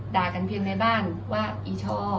ด่ากันเพียงในบ้านว่าอีช่อ